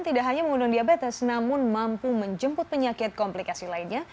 tidak hanya mengundang diabetes namun mampu menjemput penyakit komplikasi lainnya